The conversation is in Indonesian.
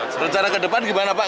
sementara ke depan gimana pak